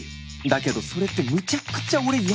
だけどそれってむちゃくちゃ俺嫌な奴